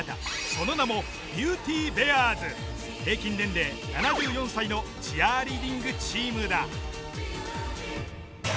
その名も平均年齢７４歳のチアリーディングチームだ。